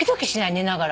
寝ながら。